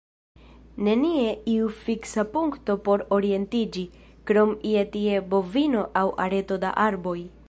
Nenie iu fiksa punkto por orientiĝi, krom ie-tie bovino aŭ areto da arboj.